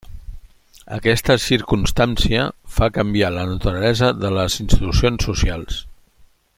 Aquesta circumstància fa canviar la naturalesa de les institucions socials.